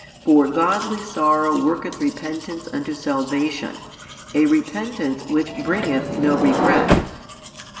For godly sorrow worketh repentance unto salvation, a repentance which bringeth no regret.